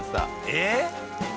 えっ！？